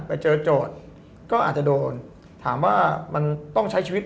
โจทย์ก็อาจจะโดนถามว่ามันต้องใช้ชีวิต